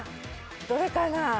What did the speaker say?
どれかな？